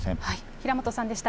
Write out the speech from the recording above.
平本さんでした。